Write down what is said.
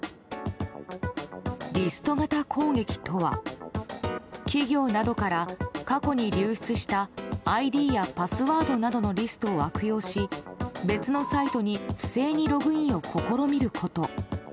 リスト型攻撃とは企業などから、過去に流出したＩＤやパスワードなどのリストを悪用し別のサイトに不正にログインを試みること。